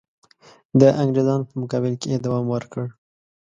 د انګرېزانو په مقابل کې یې دوام ورکړ.